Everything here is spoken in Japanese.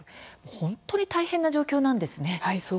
本当に大変な状況なんですね。